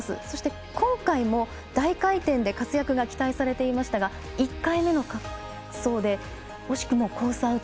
そして、今回も大回転で活躍が期待されていましたが１回目の滑走で惜しくもコース